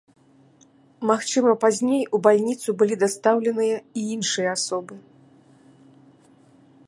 Магчыма, пазней ў бальніцу былі дастаўленыя і іншыя асобы.